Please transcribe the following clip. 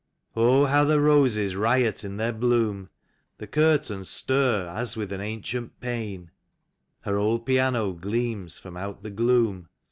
Oh, how the roses riot in their bloom ! The curtains stir as with an ancient pain; Her old piano gleams from out the gloom.